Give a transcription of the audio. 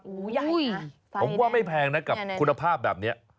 โอ้โหใหญ่ผมว่าไม่แพงนะกับคุณภาพแบบนี้